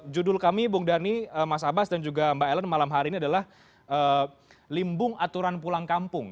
judul kami bung dhani mas abbas dan juga mbak ellen malam hari ini adalah limbung aturan pulang kampung